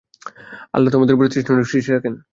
আল্লাহ তোমাদের উপর তীক্ষ্ণ দৃষ্টি রাখেন।